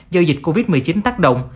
do dịch covid một mươi chín tác động